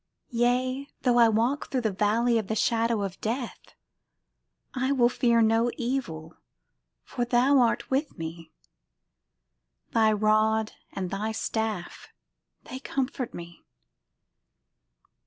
Yea, though I walk through the valley of the Shadow of death, I will fear no evil: For Thou art with me; Thy rod and Thy staff they comfort me.